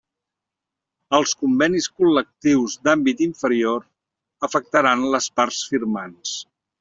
Els convenis col·lectius d'àmbit inferior afectaran les parts firmants.